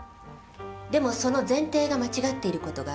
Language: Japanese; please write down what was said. でもその前提が間違っている事があるの。